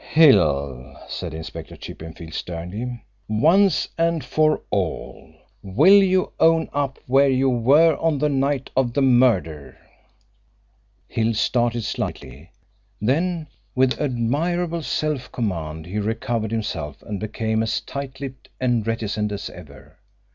"Hill!" said Inspector Chippenfield sternly. "Once and for all, will you own up where you were on the night of the murder?" Hill started slightly, then, with admirable self command, he recovered himself and became as tight lipped and reticent as ever.